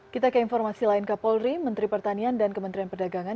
kita ke informasi lain kapolri menteri pertanian dan kementerian perdagangan